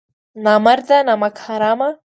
نامرده نمک حرامه!